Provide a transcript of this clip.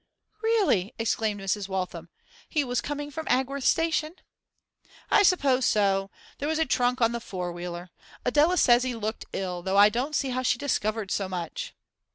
'Really!' exclaimed Mrs. Waltham. 'He was coming from Agworth station?' 'I suppose so. There was a trunk on the four wheeler. Adela says he looked ill, though I don't see how she discovered so much.